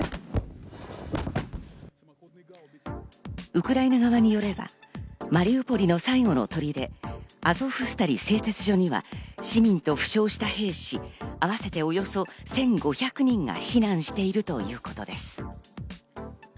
ウクライナ側によれば、マリウポリの最後の砦アゾフスタリ製鉄所には市民と負傷した兵士、あわせておよそ１５００人が避難しているということです。